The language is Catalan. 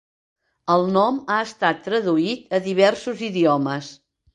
El nom ha estat traduït a diversos idiomes.